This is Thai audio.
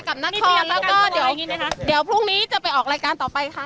กับนักเรียนแล้วก็เดี๋ยวพรุ่งนี้จะไปออกรายการต่อไปค่ะ